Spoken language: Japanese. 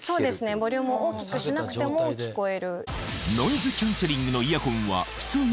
ボリュームを大きくしなくても聞こえる。